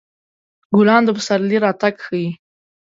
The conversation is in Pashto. ګلان د پسرلي راتګ ښيي.